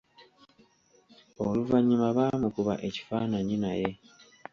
Oluvannyuma baamukuba ekifaananyi naye.